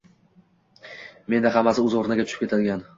Menda hammasi o’z o’rniga tushib ketgan